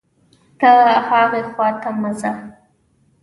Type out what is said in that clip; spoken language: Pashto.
ته هاغې خوا ته مه ځه